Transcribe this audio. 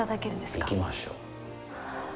行きましょう。